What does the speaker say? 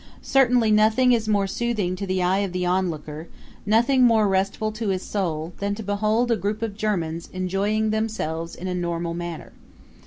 Certainly nothing is more soothing to the eye of the onlooker, nothing more restful to his soul, than to behold a group of Germans enjoying themselves in a normal manner.